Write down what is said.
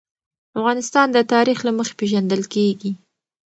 افغانستان د تاریخ له مخې پېژندل کېږي.